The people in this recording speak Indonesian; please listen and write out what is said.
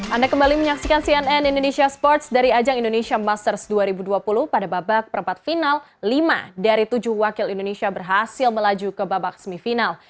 anda kembali menyaksikan cnn indonesia sports dari ajang indonesia masters dua ribu dua puluh pada babak perempat final lima dari tujuh wakil indonesia berhasil melaju ke babak semifinal